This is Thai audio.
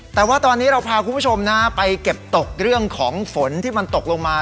แต่ว่าตอนนี้เราพาคุณผู้ชมนะไปเก็บตกเรื่องของฝนที่มันตกลงมา